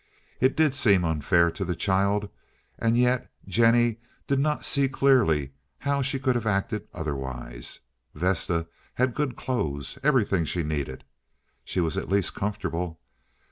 It did seem unfair to the child, and yet Jennie did not see clearly how she could have acted otherwise. Vesta had good clothes, everything she needed. She was at least comfortable.